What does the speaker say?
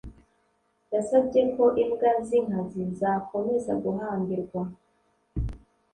Yasabye ko imbwa yinkazi yakomeza guhambirwa